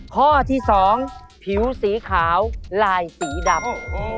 ข้อที่๒ผิวสีขาวลายสีดำ